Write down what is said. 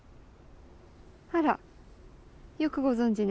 あらよくご存じね。